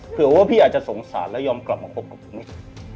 เผื่อว่าพี่อาจจะสงสารแล้วยอมกลับมาคบกับผมอีก